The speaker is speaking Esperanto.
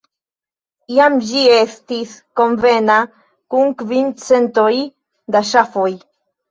Iam ĝi estis konvena por kvin centoj da ŝafoj.